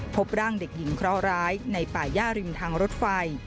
พบร่างเด็กหญิงเคราะหร้ายในป่าย่าริมทางรถไฟ